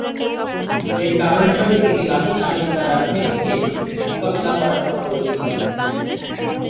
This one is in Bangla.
এর কারণ হিসেবে তিনি লাতিন আমেরিকার রাজনীতিকে মোকাবেলা করার কথা উল্লেখ করেন।